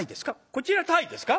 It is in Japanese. こちら鯛ですか？